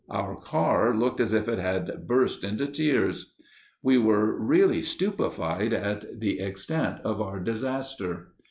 Our car looked as if it had burst into tears. We were really stupefied at the extent of our disaster.